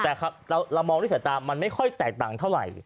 แต่เรามองด้วยสายตามันไม่ค่อยแตกต่างเท่าไหร่